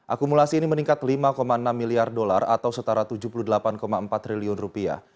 akumulasi ini meningkat lima enam miliar dolar atau setara tujuh puluh delapan empat triliun rupiah